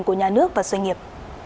của nhà nước và doanh nghiệp